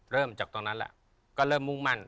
เริ่มจากตรงนั้นแล้วก็เริ่มมุ่งมั่น